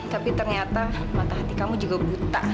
tapi ternyata mata hati kamu juga buta